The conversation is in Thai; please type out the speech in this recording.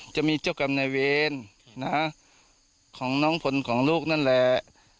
จะมีเจ้ากรรมนายเวรของน้องผลของลูกนั่นแหละ